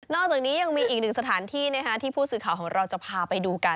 อกจากนี้ยังมีอีกหนึ่งสถานที่ที่ผู้สื่อข่าวของเราจะพาไปดูกัน